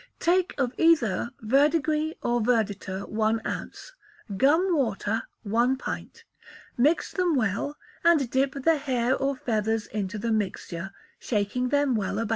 Take of either verdigris or verditer one ounce; gum water, one pint; mix them well, and dip the hair or feathers into the mixture, shaking them well about.